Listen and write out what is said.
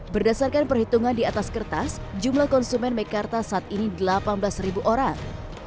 berdasarkan perhitungan di atas kertas jumlah konsumen mekarta saat ini delapan belas orang